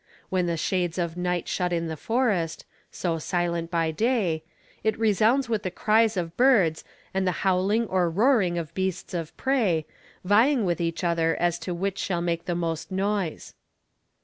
When the shades of night shut in the forest, so silent by day, it resounds with the cries of birds and the howling or roaring of beasts of prey, vying with each other as to which shall make the most noise.